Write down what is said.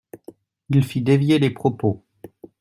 Il fit dévier les propos.